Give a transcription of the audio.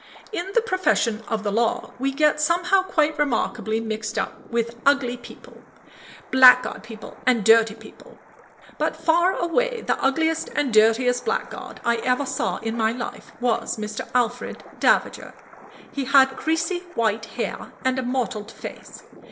In the profession of the law we get somehow quite remarkably mixed up with ugly people, blackguard people, and dirty people. But far away the ugliest and dirtiest blackguard I ever saw in my life was Mr. Alfred Davager. He had greasy white hair and a mottled face.